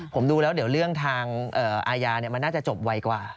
ผมดูแล้วเดี๋ยวเรื่องทางอาญามันน่าจะจบไวกว่า